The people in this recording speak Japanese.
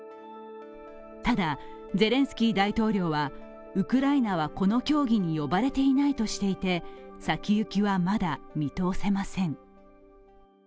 ただ、ゼレンスキー大統領はウクライナはこの協議に呼ばれていないとしていて先行きはまだ見通せません。